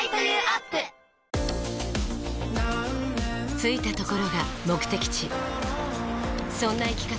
着いたところが目的地そんな生き方